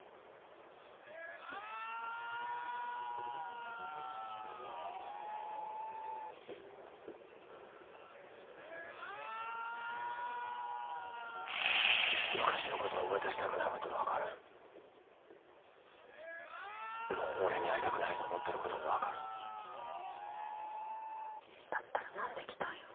うん昔のこと思い出したくないことも分かるもう俺に会いたくないと思っとることも分かるだったら何で来たんよ？